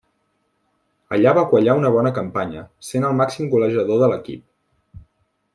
Allà va quallar una bona campanya, sent el màxim golejador de l'equip.